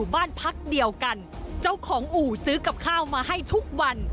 บ้านพักเดียวกันเจ้าของอู่ซื้อกับข้าวมาให้ทุกวัน